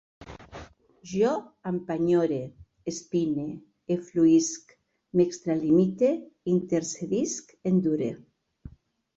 Jo empenyore, espine, efluïsc, m'extralimite, intercedisc, endure